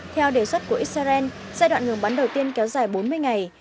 theo đề xuất của israel giai đoạn ngừng bắn đầu tiên kéo dài bốn mươi ngày